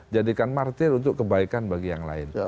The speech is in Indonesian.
jadikan martir untuk kebaikan bagi yang lain